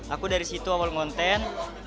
aku dari situ awal konten